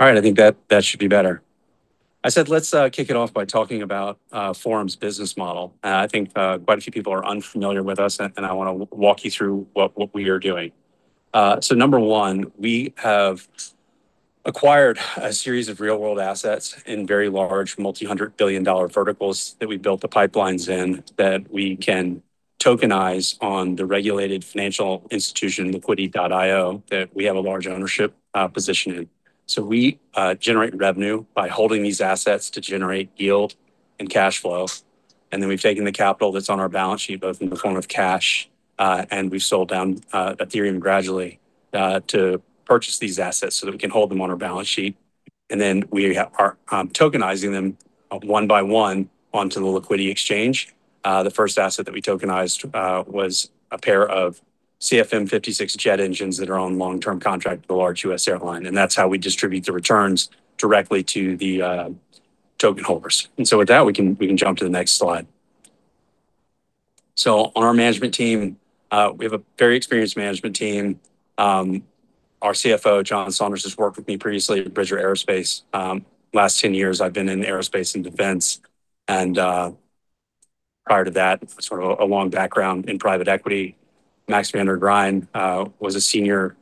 All right. I think that should be better. I said let's kick it off by talking about Forum's business model. I think quite a few people are unfamiliar with us, and I wanna walk you through what we are doing. Number one, we have acquired a series of real-world assets in very large multi-hundred billion-dollar verticals that we built the pipelines in, that we can tokenize on the regulated financial institution, Liquidity.io, that we have a large ownership position in. We generate revenue by holding these assets to generate yield and cash flows. We've taken the capital that's on our balance sheet, both in the form of cash, and we've sold down Ethereum gradually to purchase these assets so that we can hold them on our balance sheet. We have... We're tokenizing them one by one onto the Liquidity exchange. The first asset that we tokenized was a pair of CFM56 jet engines that are on long-term contract with a large U.S. airline, and that's how we distribute the returns directly to the token holders. With that, we can jump to the next slide. On our management team, we have a very experienced management team. Our CFO, John Saunders, has worked with me previously at Bridger Aerospace. Last 10 years, I've been in aerospace and defense, and prior to that, sort of a long background in private equity. Max van der Griend was a Senior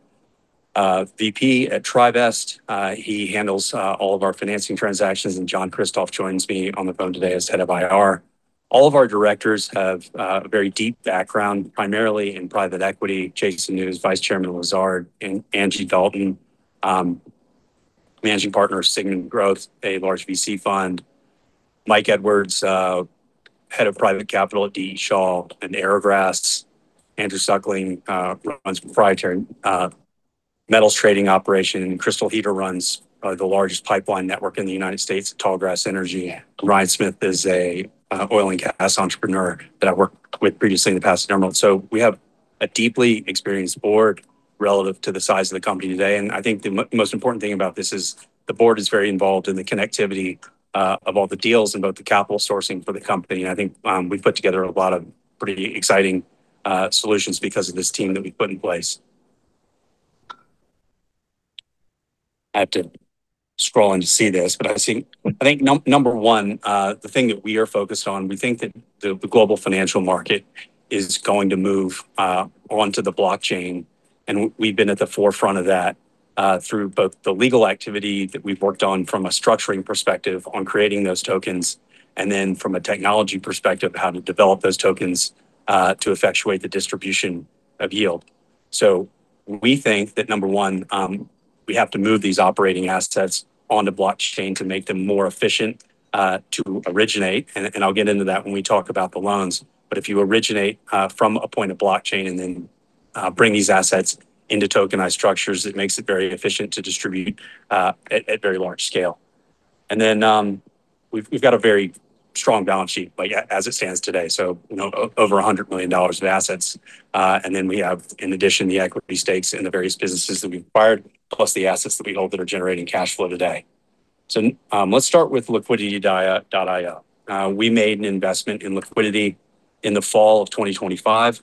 VP at Trivest. He handles all of our financing transactions, and John Kristoff joins me on the phone today as head of IR. All of our directors have a very deep background, primarily in private equity. Jason New, Vice Chairman of Lazard, and Angela Dalton, Managing Partner of Signum Growth, a large VC fund. Michael Edwards, Head of Private Capital at D.E. Shaw and Arrowgrass. Andrew Suckling runs proprietary metals trading operation. Crystal Heter runs the largest pipeline network in the United States, Tallgrass Energy. Ryan Smith is a oil and gas entrepreneur that I worked with previously in the past at Enermil. We have a deeply experienced board relative to the size of the company today. I think the most important thing about this is the board is very involved in the connectivity of all the deals and about the capital sourcing for the company. I think we've put together a lot of pretty exciting solutions because of this team that we put in place. I have to scroll in to see this, but I think number one, the thing that we are focused on, we think that the global financial market is going to move onto the blockchain, and we've been at the forefront of that through both the legal activity that we've worked on from a structuring perspective on creating those tokens, and then from a technology perspective, how to develop those tokens to effectuate the distribution of yield. We think that number one, we have to move these operating assets onto blockchain to make them more efficient to originate, and I'll get into that when we talk about the loans. If you originate from a point of blockchain and then bring these assets into tokenized structures, it makes it very efficient to distribute at very large scale. We've got a very strong balance sheet, like, as it stands today, so you know, over $100 million of assets. We have, in addition, the equity stakes in the various businesses that we've acquired, plus the assets that we hold that are generating cash flow today. Let's start with Liquidity.io. We made an investment in Liquidity in the fall of 2025.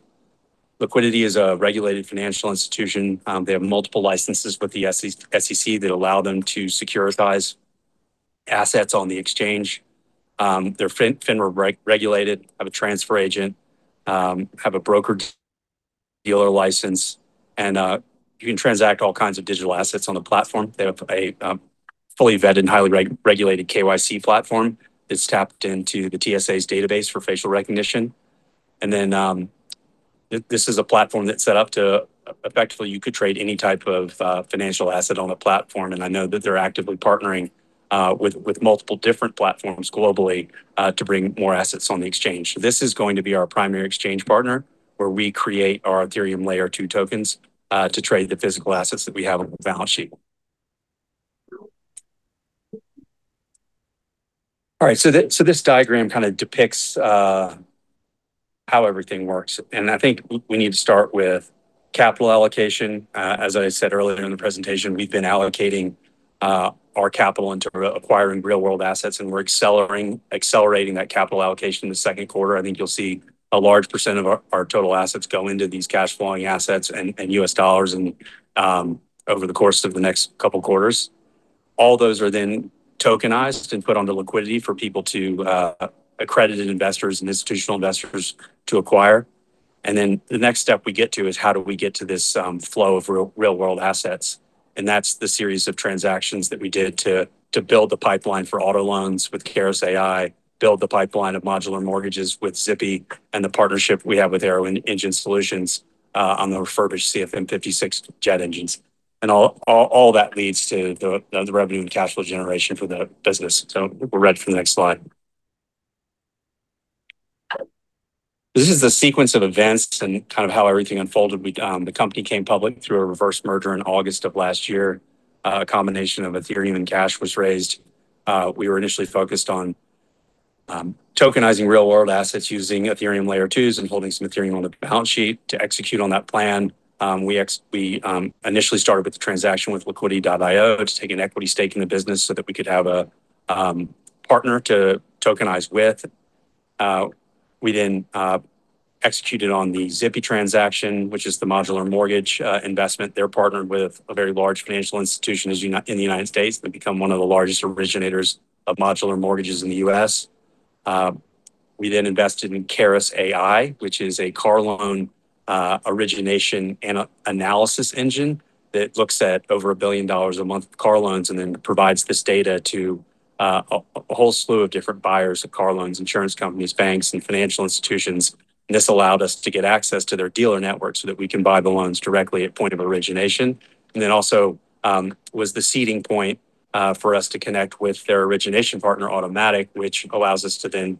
Liquidity is a regulated financial institution. They have multiple licenses with the SEC that allow them to securitize assets on the exchange. They're FINRA regulated, have a transfer agent, have a brokerage dealer license, and you can transact all kinds of digital assets on the platform. They have a fully vetted and highly regulated KYC platform. It's tapped into the TSA's database for facial recognition. This is a platform that's set up to effectively you could trade any type of financial asset on the platform, and I know that they're actively partnering with multiple different platforms globally to bring more assets on the exchange. This is going to be our primary exchange partner, where we create our Ethereum Layer two tokens to trade the physical assets that we have on the balance sheet. All right. So this diagram kinda depicts how everything works. I think we need to start with capital allocation. As I said earlier in the presentation, we've been allocating our capital into acquiring real-world assets, and we're accelerating that capital allocation in the second quarter. I think you'll see a large percent of our total assets go into these cash flowing assets and US dollars over the course of the next couple quarters. All those are then tokenized and put onto Liquidity for people to accredited investors and institutional investors to acquire. Then the next step we get to is how do we get to this flow of real-world assets? That's the series of transactions that we did to build the pipeline for auto loans with Karus AI, build the pipeline of modular mortgages with Zippy, and the partnership we have with Aero Engine Solutions on the refurbished CFM56 jet engines. All that leads to the revenue and cash flow generation for the business. We're ready for the next slide. This is the sequence of events and kind of how everything unfolded. The company came public through a reverse merger in August of last year. A combination of Ethereum and cash was raised. We were initially focused on tokenizing real-world assets using Ethereum Layer twos and holding some Ethereum on the balance sheet. To execute on that plan, we initially started with the transaction with Liquidity.io to take an equity stake in the business so that we could have a partner to tokenize with. We then executed on the Zippy transaction, which is the modular mortgage investment. They're partnered with a very large financial institution in the United States. They've become one of the largest originators of modular mortgages in the U.S. We then invested in Karus AI, which is a car loan origination analysis engine that looks at over $1 billion a month of car loans and then provides this data to a whole slew of different buyers of car loans, insurance companies, banks, and financial institutions. This allowed us to get access to their dealer network so that we can buy the loans directly at point of origination. Then also was the seeding point for us to connect with their origination partner, Automatic, which allows us to then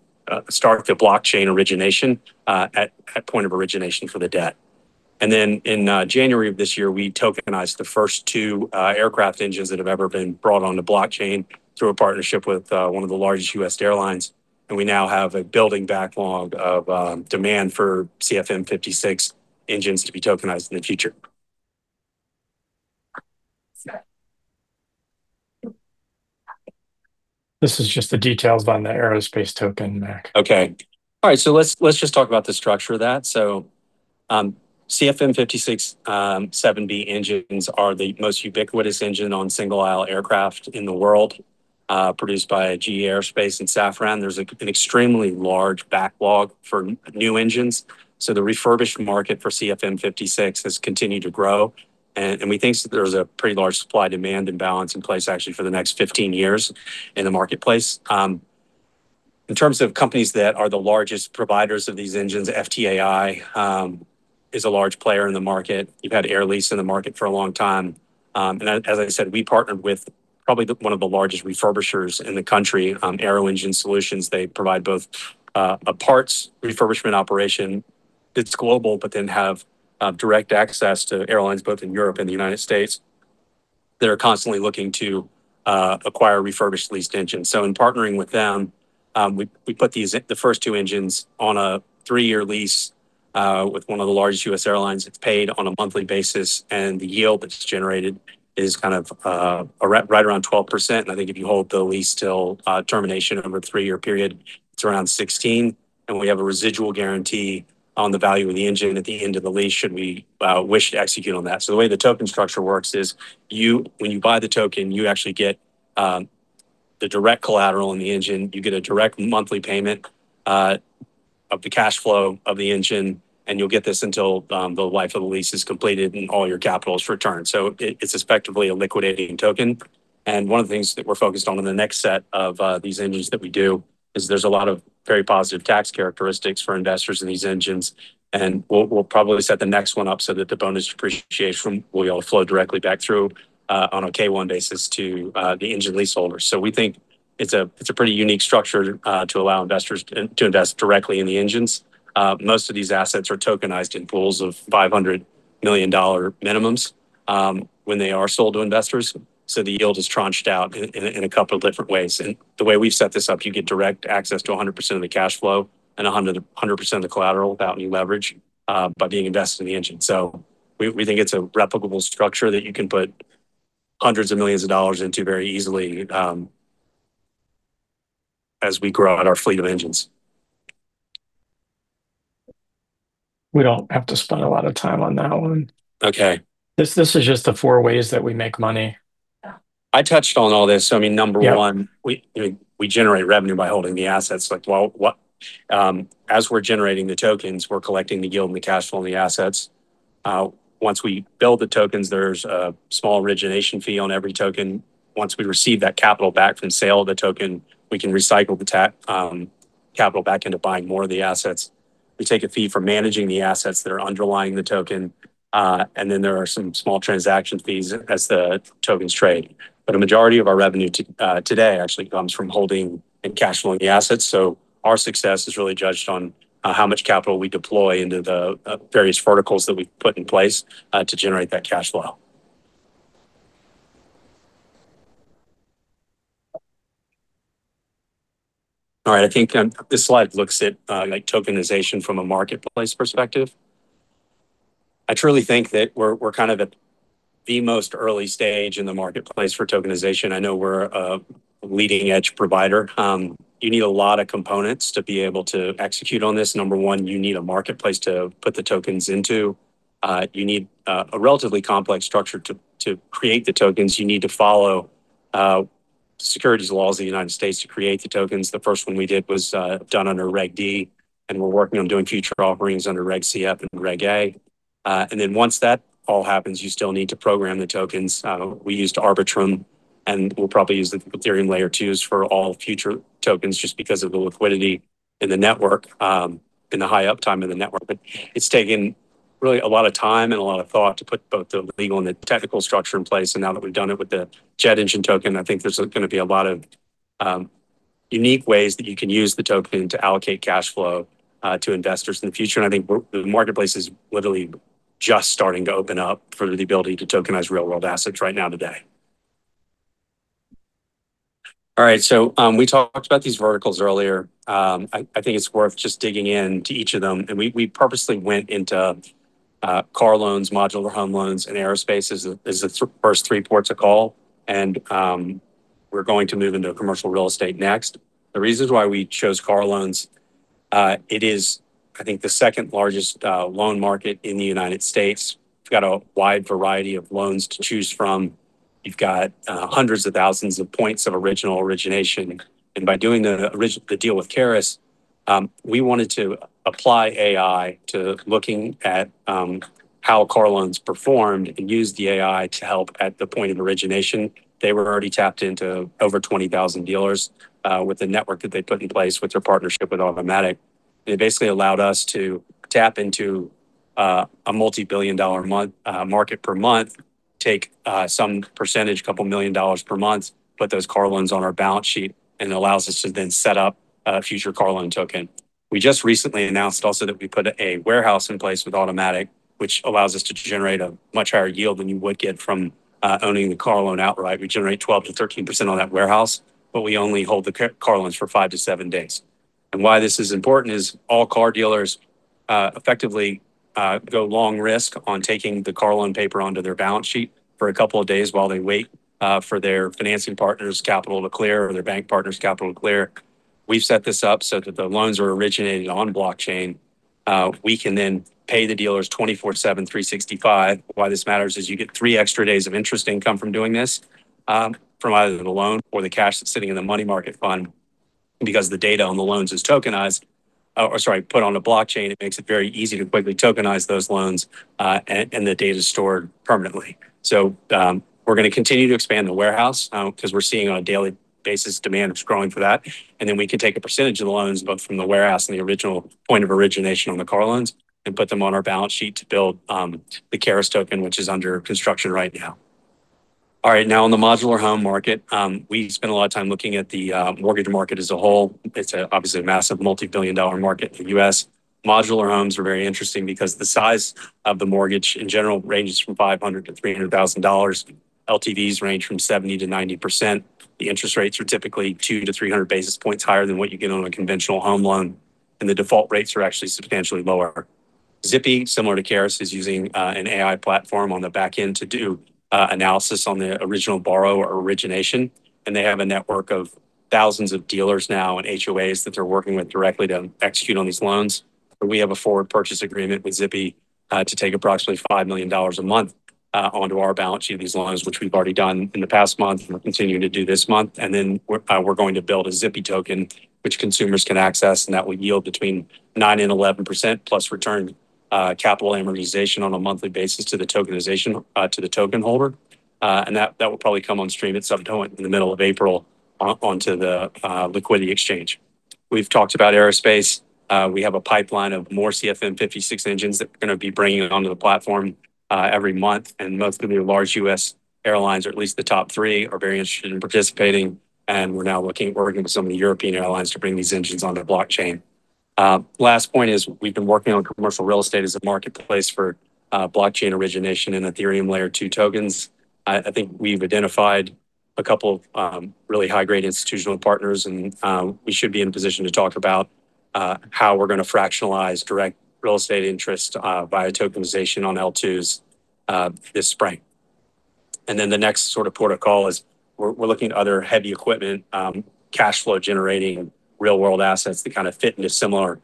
start the blockchain origination at point of origination for the debt. In January of this year, we tokenized the first two aircraft engines that have ever been brought onto blockchain through a partnership with one of the largest U.S. airlines, and we now have a building backlog of demand for CFM56 engines to be tokenized in the future. This is just the details on the aerospace token, Mac. Let's just talk about the structure of that. CFM56 7B engines are the most ubiquitous engine on single aisle aircraft in the world, produced by GE Aerospace and Safran. There's an extremely large backlog for new engines, so the refurbished market for CFM56 has continued to grow. We think there's a pretty large supply demand imbalance in place actually for the next 15 years in the marketplace. In terms of companies that are the largest providers of these engines, FTAI is a large player in the market. You've had Air Lease in the market for a long time. As I said, we partnered with probably one of the largest refurbishers in the country, Aero Engine Solutions. They provide both a parts refurbishment operation that's global, but then have direct access to airlines both in Europe and United States that are constantly looking to acquire refurbished leased engines. In partnering with them, we put the first two engines on a three-year lease with one of the largest U.S. airlines. It's paid on a monthly basis, and the yield that's generated is kind of right around 12%. I think if you hold the lease till termination over a three-year period, it's around 16%. We have a residual guarantee on the value of the engine at the end of the lease should we wish to execute on that. The way the token structure works is when you buy the token, you actually get the direct collateral in the engine. You get a direct monthly payment of the cash flow of the engine, and you'll get this until the life of the lease is completed and all your capital is returned. It's effectively a liquidating token. One of the things that we're focused on in the next set of these engines that we do is there's a lot of very positive tax characteristics for investors in these engines. We'll probably set the next one up so that the bonus depreciation will flow directly back through on a K-1 basis to the engine leaseholders. We think it's a pretty unique structure to allow investors to invest directly in the engines. Most of these assets are tokenized in pools of $500 million minimums, when they are sold to investors, so the yield is tranched out in a couple different ways. The way we've set this up, you get direct access to 100% of the cash flow and 100% of the collateral without any leverage, by being invested in the engine. We think it's a replicable structure that you can put hundreds of millions of dollars into very easily, as we grow out our fleet of engines. We don't have to spend a lot of time on that one. Okay. This is just the four ways that we make money. I touched on all this. I mean, number one. Yeah. We generate revenue by holding the assets. As we're generating the tokens, we're collecting the yield and the cash flow on the assets. Once we build the tokens, there's a small origination fee on every token. Once we receive that capital back from sale of the token, we can recycle the capital back into buying more of the assets. We take a fee from managing the assets that are underlying the token. And then there are some small transaction fees as the tokens trade. A majority of our revenue today actually comes from holding and cash flowing the assets. Our success is really judged on how much capital we deploy into the various verticals that we've put in place to generate that cash flow. All right. I think this slide looks at like tokenization from a marketplace perspective. I truly think that we're kind of at the most early stage in the marketplace for tokenization. I know we're a leading edge provider. You need a lot of components to be able to execute on this. Number one, you need a marketplace to put the tokens into. You need a relatively complex structure to create the tokens. You need to follow securities laws in the United States to create the tokens. The first one we did was done under Reg D, and we're working on doing future offerings under Reg CF and Reg A. Once that all happens, you still need to program the tokens. We used Arbitrum, and we'll probably use the Ethereum layer twos for all future tokens just because of the Liquidity in the network, and the high uptime in the network. It's taken really a lot of time and a lot of thought to put both the legal and the technical structure in place. Now that we've done it with the jet engine token, I think there's gonna be a lot of unique ways that you can use the token to allocate cash flow to investors in the future. I think the marketplace is literally just starting to open up for the ability to tokenize real world assets right now today. All right, we talked about these verticals earlier. I think it's worth just digging in to each of them. We purposely went into car loans, modular home loans, and aerospace is the first three ports of call. We're going to move into commercial real estate next. The reasons why we chose car loans, it is, I think, the second largest loan market in the United States. We've got a wide variety of loans to choose from. You've got hundreds of thousands of points of origination. By doing the deal with Karus, we wanted to apply AI to looking at how car loans performed and use the AI to help at the point of origination. They were already tapped into over 20,000 dealers with the network that they put in place with their partnership with Automatic. It basically allowed us to tap into a $multi-billion-a-month market per month, take some percentage, a couple of million dollars per month, put those car loans on our balance sheet, and allows us to then set up a future car loan token. We just recently announced also that we put a warehouse in place with Automatic, which allows us to generate a much higher yield than you would get from owning the car loan outright. We generate 12%-13% on that warehouse, but we only hold the car loans for five-seven days. Why this is important is all car dealers, effectively, go long risk on taking the car loan paper onto their balance sheet for a couple of days while they wait, for their financing partner's capital to clear or their bank partner's capital to clear. We've set this up so that the loans are originated on blockchain. We can then pay the dealers 24/7, 365. Why this matters is you get three extra days of interest income from doing this, from either the loan or the cash that's sitting in the money market fund. Because the data on the loans is tokenized, or sorry, put on a blockchain, it makes it very easy to quickly tokenize those loans, and the data is stored permanently. We're going to continue to expand the warehouse, 'cause we're seeing on a daily basis demand is growing for that. We can take a percentage of the loans both from the warehouse and the original point of origination on the car loans and put them on our balance sheet to build the Karus token, which is under construction right now. All right. Now in the modular home market, we spent a lot of time looking at the mortgage market as a whole. It's obviously a massive multi-billion dollar market in the U.S. Modular homes are very interesting because the size of the mortgage in general ranges from $500-$300,000. LTVs range from 70%-90%. The interest rates are typically 200-300 basis points higher than what you get on a conventional home loan, and the default rates are actually substantially lower. Zippy, similar to Karus, is using an AI platform on the back end to do analysis on the original borrower origination, and they have a network of thousands of dealers now and HOAs that they're working with directly to execute on these loans. We have a forward purchase agreement with Zippy to take approximately $5 million a month onto our balance sheet of these loans, which we've already done in the past month and we're continuing to do this month. We're going to build a Zippy token which consumers can access, and that will yield between 9%-11% plus return, capital amortization on a monthly basis to the token holder. That will probably come on stream at some point in the middle of April onto the Liquidity exchange. We've talked about aerospace. We have a pipeline of more CFM56 engines that we're gonna be bringing onto the platform every month, and most of the large U.S. airlines, or at least the top three, are very interested in participating. We're now looking at working with some of the European airlines to bring these engines onto blockchain. Last point is we've been working on commercial real estate as a marketplace for blockchain origination and Ethereum Layer two tokens. I think we've identified a couple of really high-grade institutional partners and we should be in position to talk about how we're gonna fractionalize direct real estate interest via tokenization on L2s this spring. Then the next sort of port of call is we're looking at other heavy equipment cash flow generating real world assets that kind of fit into similar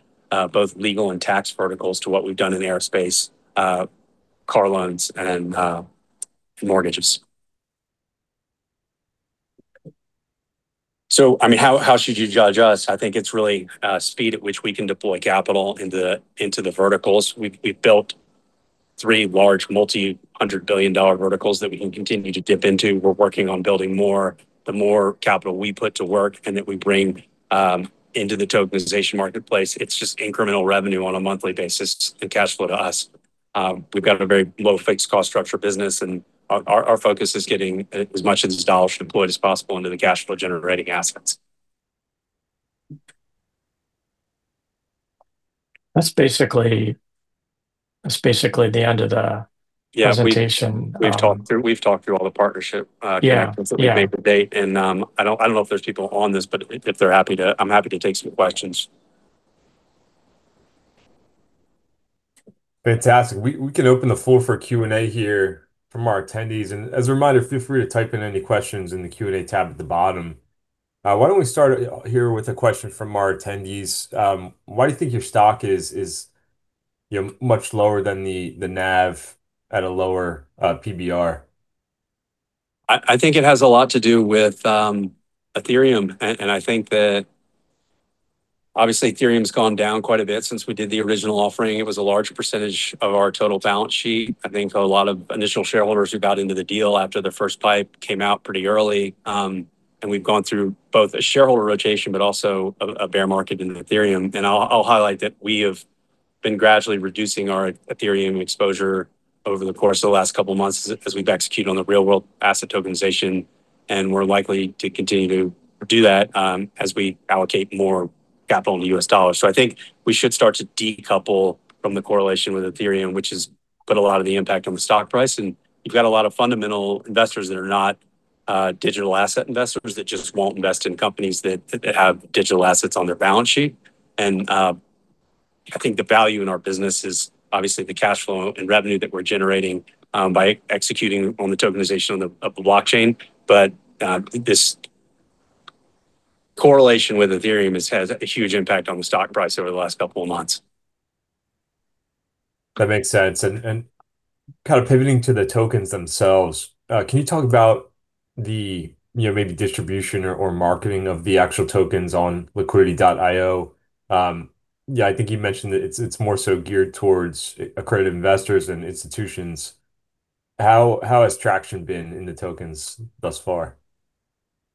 both legal and tax verticals to what we've done in the aerospace car loans and mortgages. I mean, how should you judge us? I think it's really speed at which we can deploy capital into the verticals. We've built three large multi-hundred-billion-dollar verticals that we can continue to dip into. We're working on building more. The more capital we put to work and that we bring into the tokenization marketplace, it's just incremental revenue on a monthly basis and cash flow to us. We've got a very low fixed cost structure business, and our focus is getting as much of these dollars deployed as possible into the cash flow generating assets. That's basically the end of the presentation. We've talked through all the partnership connections that we've made to date. I don't know if there's people on this, but if they're happy to, I'm happy to take some questions. Fantastic. We can open the floor for Q&A here from our attendees. As a reminder, feel free to type in any questions in the Q&A tab at the bottom. Why don't we start here with a question from our attendees. Why do you think your stock is, you know, much lower than the NAV at a lower PBR? I think it has a lot to do with Ethereum, and I think that obviously Ethereum's gone down quite a bit since we did the original offering. It was a large percentage of our total balance sheet. I think a lot of initial shareholders who got into the deal after the first PIPE came out pretty early. We've gone through both a shareholder rotation but also a bear market in Ethereum. I'll highlight that we have been gradually reducing our Ethereum exposure over the course of the last couple of months as we've executed on the real-world asset tokenization, and we're likely to continue to do that as we allocate more capital in the US dollar. I think we should start to decouple from the correlation with Ethereum, which has put a lot of the impact on the stock price. You've got a lot of fundamental investors that are not digital asset investors that just won't invest in companies that have digital assets on their balance sheet. I think the value in our business is obviously the cash flow and revenue that we're generating by executing on the tokenization of the blockchain. This correlation with Ethereum has had a huge impact on the stock price over the last couple of months. That makes sense. Kind of pivoting to the tokens themselves, can you talk about the you know maybe distribution or marketing of the actual tokens on Liquidity.io? Yeah, I think you mentioned that it's more so geared towards accredited investors and institutions. How has traction been in the tokens thus far?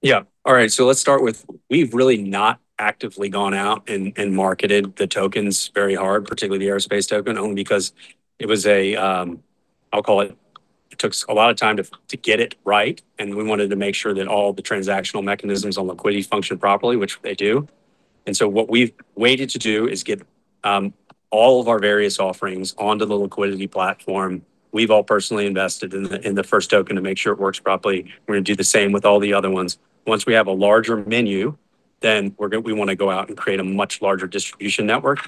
Yeah. All right. Let's start with we've really not actively gone out and marketed the tokens very hard, particularly the aerospace token, only because it was a, I'll call it took us a lot of time to get it right, and we wanted to make sure that all the transactional mechanisms on Liquidity function properly, which they do. What we've waited to do is get all of our various offerings onto the Liquidity platform. We've all personally invested in the first token to make sure it works properly. We're gonna do the same with all the other ones. Once we have a larger menu, then we wanna go out and create a much larger distribution network.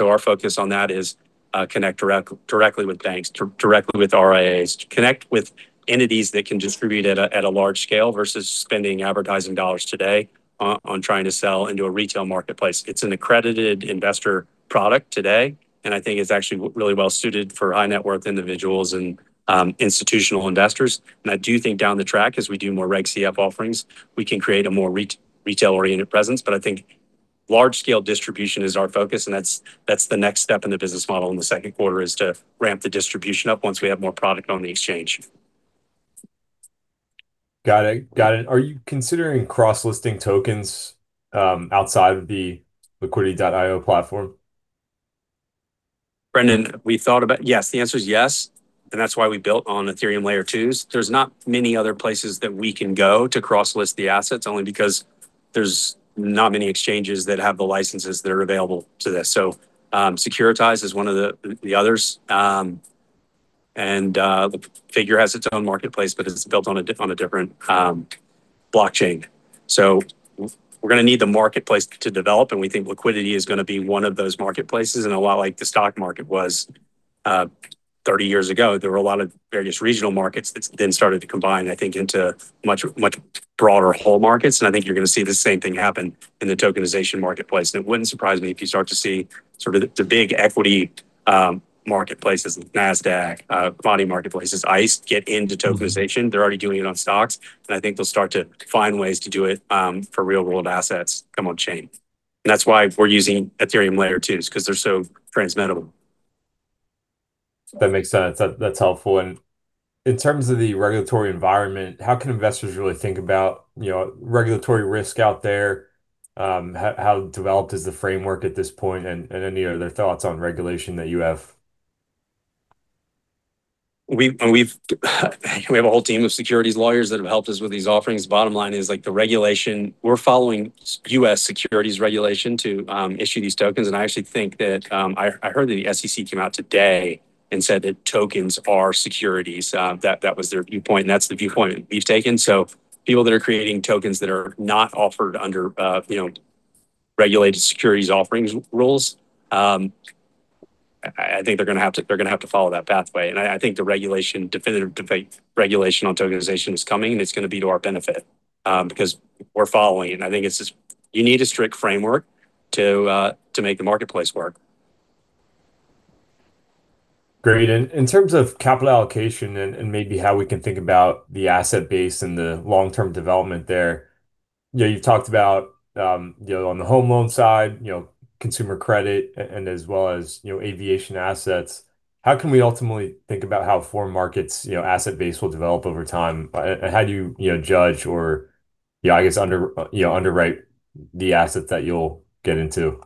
Our focus on that is to connect directly with banks, directly with RIAs, to connect with entities that can distribute at a large scale versus spending advertising dollars today on trying to sell into a retail marketplace. It's an accredited investor product today, and I think it's actually really well-suited for high net worth individuals and institutional investors. I do think down the track, as we do more Regulation CF offerings, we can create a more retail-oriented presence. I think large scale distribution is our focus, and that's the next step in the business model in the second quarter is to ramp the distribution up once we have more product on the exchange. Got it. Are you considering cross-listing tokens outside of the Liquidity.io platform? Brendan, yes. The answer is yes, and that's why we built on Ethereum Layer 2s. There's not many other places that we can go to cross-list the assets only because there's not many exchanges that have the licenses that are available to this. Securitize is one of the others. The Figure has its own marketplace, but it's built on a different blockchain. We're gonna need the marketplace to develop, and we think Liquidity is gonna be one of those marketplaces. A lot like the stock market was 30 years ago, there were a lot of various regional markets that then started to combine, I think, into much, much broader whole markets, and I think you're gonna see the same thing happen in the tokenization marketplace. It wouldn't surprise me if you start to see sort of the big equity marketplaces, Nasdaq, bond marketplaces, ICE, get into tokenization. They're already doing it on stocks. I think they'll start to find ways to do it for real world assets come on chain. That's why we're using Ethereum Layer twos because they're so transmittable. That makes sense. That's helpful. In terms of the regulatory environment, how can investors really think about, you know, regulatory risk out there? How developed is the framework at this point? Any other thoughts on regulation that you have? We have a whole team of securities lawyers that have helped us with these offerings. Bottom line is, like, the regulation. We're following U.S. securities regulation to issue these tokens. I actually think that I heard that the SEC came out today and said that tokens are securities. That was their viewpoint, and that's the viewpoint we've taken. People that are creating tokens that are not offered under, you know, regulated securities offerings rules, I think they're gonna have to follow that pathway. I think the regulation, definitive debate regulation on tokenization is coming, and it's gonna be to our benefit because we're following. I think it's just you need a strict framework to make the marketplace work. Great. In terms of capital allocation and maybe how we can think about the asset base and the long-term development there, you know, you've talked about, you know, on the home loan side, you know, consumer credit and as well as, you know, aviation assets. How can we ultimately think about how Forum Markets, you know, asset base will develop over time? How do you know, judge or, you know, I guess underwrite the asset that you'll get into?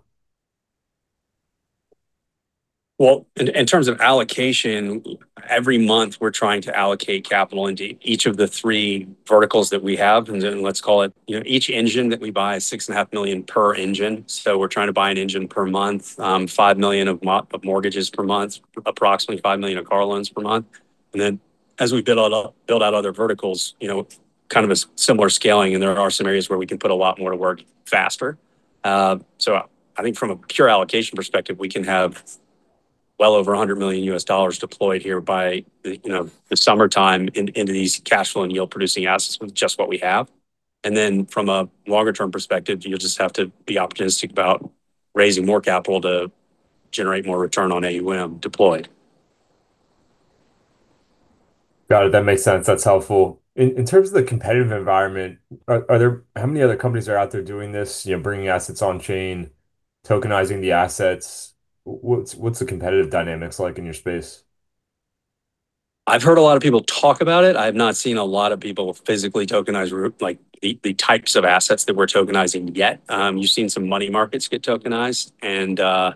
Well, in terms of allocation, every month we're trying to allocate capital into each of the three verticals that we have. Let's call it, you know, each engine that we buy is $6.5 million per engine. We're trying to buy an engine per month, $5 million of mortgages per month, approximately $5 million of car loans per month. As we build out other verticals, you know, kind of a similar scaling, and there are some areas where we can put a lot more to work faster. I think from a pure allocation perspective, we can have well over $100 million deployed here by the, you know, the summertime into these cash flow and yield producing assets with just what we have. From a longer term perspective, you'll just have to be opportunistic about raising more capital to generate more return on AUM deployed. Got it. That makes sense. That's helpful. In terms of the competitive environment, are there how many other companies are out there doing this, you know, bringing assets on chain, tokenizing the assets? What's the competitive dynamics like in your space? I've heard a lot of people talk about it. I have not seen a lot of people physically tokenize like, the types of assets that we're tokenizing yet. You've seen some money markets get tokenized, and I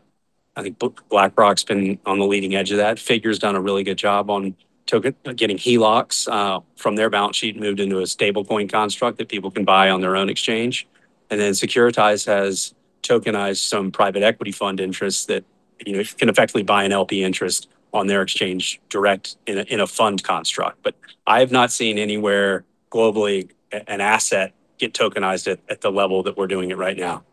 think BlackRock's been on the leading edge of that. Figure's done a really good job on tokenizing, getting HELOCs from their balance sheet moved into a stablecoin construct that people can buy on their own exchange. Securitize has tokenized some private equity fund interests that, you know, can effectively buy an LP interest on their exchange direct in a fund construct. I have not seen anywhere globally an asset get tokenized at the level that we're doing it right now.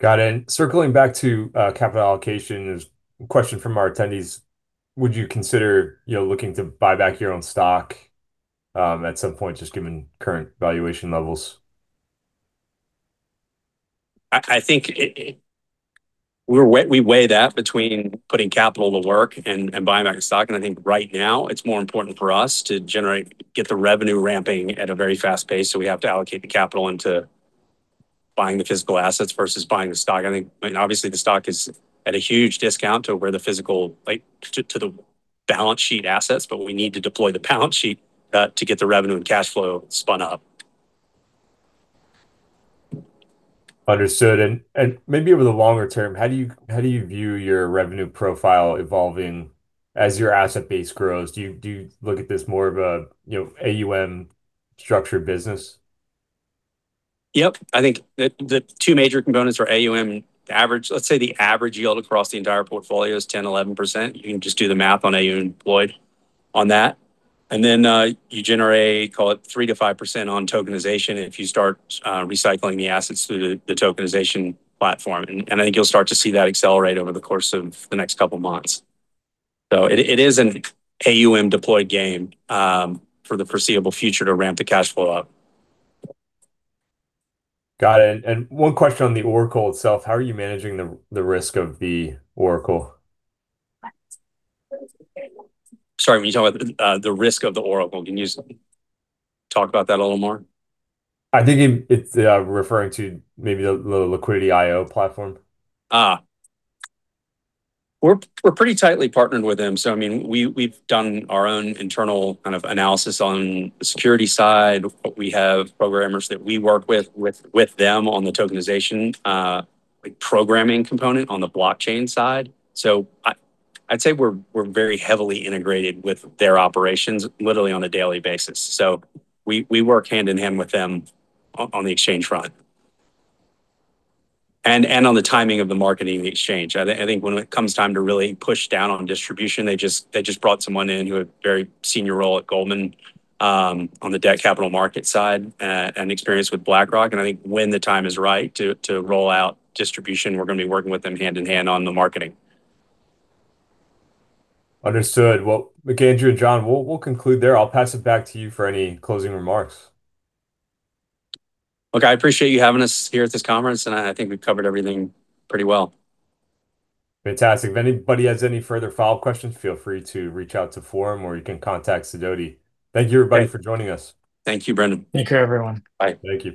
Got it. Circling back to capital allocation, there's a question from our attendees: Would you consider, you know, looking to buy back your own stock at some point, just given current valuation levels? We weigh that between putting capital to work and buying back stock, and I think right now it's more important for us to get the revenue ramping at a very fast pace, so we have to allocate the capital into buying the physical assets versus buying the stock. I think, I mean, obviously the stock is at a huge discount to where the physical, like to the balance sheet assets, but we need to deploy the balance sheet to get the revenue and cash flow spun up. Understood. Maybe over the longer term, how do you view your revenue profile evolving as your asset base grows? Do you look at this more of a, you know, AUM structured business? Yep. I think the two major components are AUM average. Let's say the average yield across the entire portfolio is 10%-11%. You can just do the math on AUM deployed on that. And then you generate, call it 3%-5% on tokenization if you start recycling the assets through the tokenization platform. And I think you'll start to see that accelerate over the course of the next couple of months. It is an AUM deployed game for the foreseeable future to ramp the cash flow up. Got it. One question on the Oracle itself, how are you managing the risk of the Oracle? Sorry, when you talk about the risk of the Oracle, can you talk about that a little more? I think it's referring to maybe the Liquidity.io platform. We're pretty tightly partnered with them. I mean, we've done our own internal kind of analysis on the security side. We have programmers that we work with them on the tokenization, like programming component on the blockchain side. I'd say we're very heavily integrated with their operations literally on a daily basis. We work hand in hand with them on the exchange front and on the timing of the marketing exchange. I think when it comes time to really push down on distribution, they just brought someone in who had a very Senior role at Goldman on the debt capital market side and experience with BlackRock, and I think when the time is right to roll out distribution, we're gonna be working with them hand in hand on the marketing. Understood. Well, McAndrew, John, we'll conclude there. I'll pass it back to you for any closing remarks. Look, I appreciate you having us here at this conference, and I think we've covered everything pretty well. Fantastic. If anybody has any further follow-up questions, feel free to reach out to Forum or you can contact Sidoti. Thank you everybody for joining us. Thank you, Brendan. Take care, everyone. Bye. Thank you.